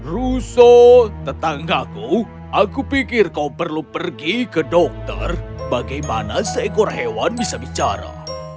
russo tetanggaku aku pikir kau perlu pergi ke dokter bagaimana seekor hewan bisa bicara